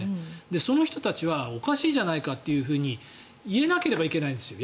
その人たちはおかしいじゃないかというふうに言えなければいけないんですよ